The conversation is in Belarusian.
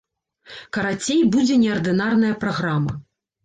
Карацей, будзе неардынарная праграма.